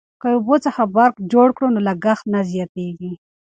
که اوبو څخه برق جوړ کړو نو لګښت نه زیاتیږي.